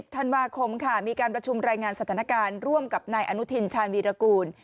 ธันวาคมค่ะมีการประชุมรายงานสถานการณ์ร่วมกับนายอนุทินชาญวีรกูล